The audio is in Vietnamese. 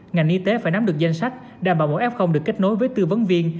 ngành y tế phải nắm được danh sách đảm bảo mẫu f được kết nối với tư vấn viên